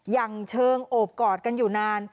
อย่างเชิงโอบกอดกันอยู่นาน